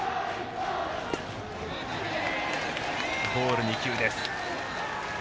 ボール２球です。